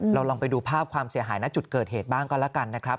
ลองไปดูภาพความเสียหายณจุดเกิดเหตุบ้างก็แล้วกันนะครับ